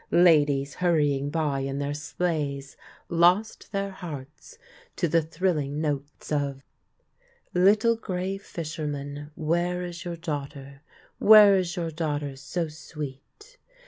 Ladies hurrying by in their sleighs lost their hearts to the thrilling notes of :" Little grey fisherman, Where is your daughter? Where is your daughter so sweet